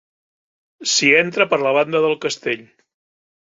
S'hi entra per la banda del castell.